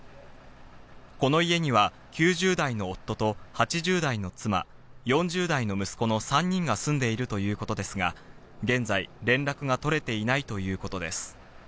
この家には９０代の夫と８０代の妻、４０代の息子の３人が住んでいるということですが、現在連絡が取れていないということです。